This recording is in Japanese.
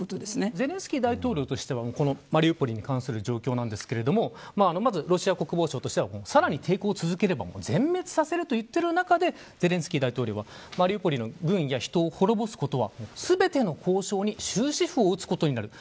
ゼレンスキー大統領としてはマリウポリに関する状況ですがまずロシア国防省としてはさらに抵抗を続ければ全滅させると言っている中でゼレンスキー大統領はマリウポリの軍や人を滅ぼすことは全ての交渉に終止符を打つことになる。